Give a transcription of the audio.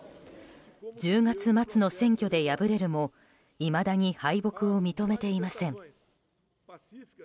１０月末の選挙で敗れるもいまだに敗北を認めていません。